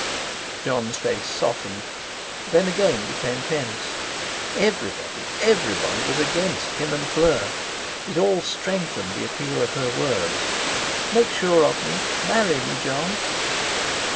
Jon's face softened; then again became tense. Everybody—everybody was against him and Fleur! It all strengthened the appeal of her words: "Make sure of me—marry me, Jon!"